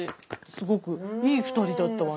すごくいい２人だったわね。